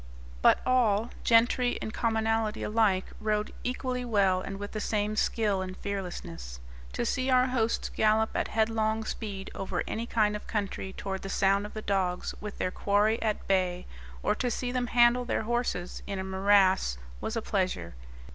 But all, gentry and commonalty alike, rode equally well and with the same skill and fearlessness. To see our hosts gallop at headlong speed over any kind of country toward the sound of the dogs with their quarry at bay, or to see them handle their horses in a morass, was a pleasure.